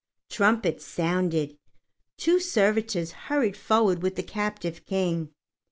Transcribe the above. Trumpets sounded. Two servitors hurried forward with the captive King.